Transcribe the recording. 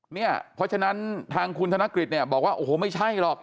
เพราะฉะนั้นทางคุณธนกฤษเนี่ยบอกว่าโอ้โหไม่ใช่หรอก